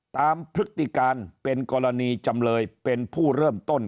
พฤติการเป็นกรณีจำเลยเป็นผู้เริ่มต้น